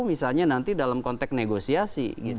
misalnya nanti dalam konteks negosiasi